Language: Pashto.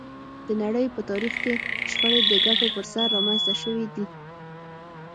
د نړۍ په تاریخ کې شخړې د ګټو پر سر رامنځته شوې دي